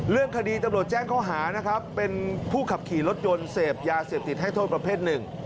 เรื่องคดีตำรวจแจ้งข้อหานะครับเป็นผู้ขับขี่รถยนต์เสพยาเสพติดให้โทษประเภทหนึ่ง